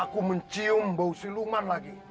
aku mencium bau siluman lagi